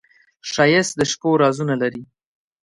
ښایست د شپو رازونه لري